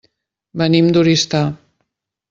Venim d'Oristà.